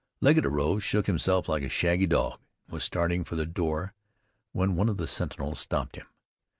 Legget arose, shook himself like a shaggy dog, and was starting for the door when one of the sentinels stopped him.